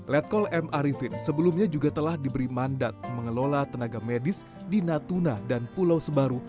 letkol m arifin sebelumnya juga telah diberi mandat mengelola tenaga medis di natuna dan pulau sebaru